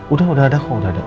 udah udah ada kok udah ada